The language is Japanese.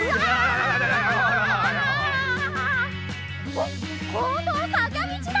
おっこんどはさかみちだ！